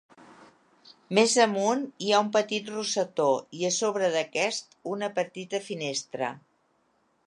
Més amunt hi ha un petit rosetó i a sobre d'aquest una petita finestra.